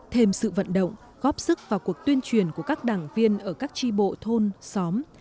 thêm sự vận động góp sức vào cuộc tuyên truyền của các đảng viên ở các tri bộ thôn xóm